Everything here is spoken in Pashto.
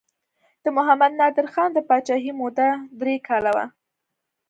د محمد نادر خان د پاچاهۍ موده درې کاله وه.